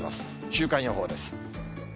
週間予報です。